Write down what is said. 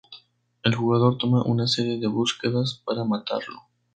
El jugador toma una serie de búsquedas para matarlo.